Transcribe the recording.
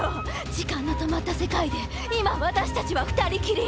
時間の止まった世界で今私たちは二人きり。